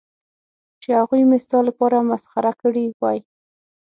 چې هغوی مې ستا لپاره مسخره کړې وای.